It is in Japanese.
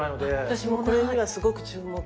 私もこれにはすごく注目。